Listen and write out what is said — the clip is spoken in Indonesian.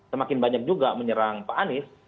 semakin banyak juga menyerang pak anies